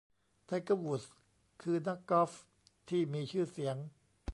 ไทเกอร์ วูดส์ คือนักกอล์ฟที่มีชื่อเสียง